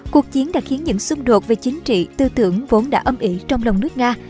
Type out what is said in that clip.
cuộc chiến đã khiến những xung đột về chính trị tư tưởng vốn đã âm ỉ trong lòng nước nga